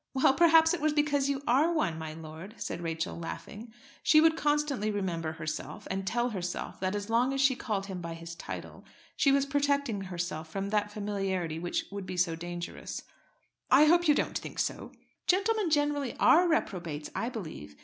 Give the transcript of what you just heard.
"Well, perhaps it was because you are one, my lord," said Rachel, laughing. She would constantly remember herself, and tell herself that as long as she called him by his title, she was protecting herself from that familiarity which would be dangerous. "I hope you don't think so." "Gentlemen generally are reprobates, I believe.